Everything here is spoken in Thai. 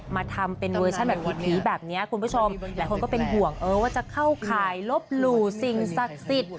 มาทำเป็นเวอร์ชั่นแบบผีแบบนี้คุณผู้ชมหลายคนก็เป็นห่วงเออว่าจะเข้าข่ายลบหลู่สิ่งศักดิ์สิทธิ์